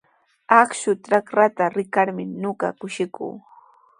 Akshu trakraata rikarmi ñuqa kushikuu.